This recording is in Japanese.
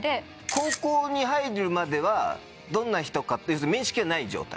高校に入るまではどんな人かって面識はない状態？